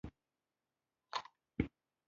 د ښار په مختلفو برخو کې یې کمپونه دي.